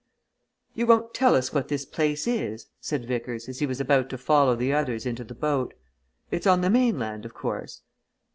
"You won't tell us what this place is?" said Vickers as he was about to follow the others into the boat. "It's on the mainland, of course?"